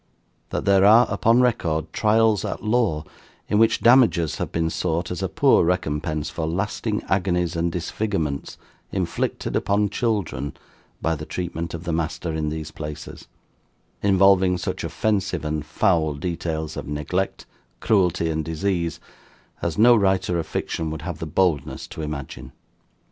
That there are, upon record, trials at law in which damages have been sought as a poor recompense for lasting agonies and disfigurements inflicted upon children by the treatment of the master in these places, involving such offensive and foul details of neglect, cruelty, and disease, as no writer of fiction would have the boldness to imagine.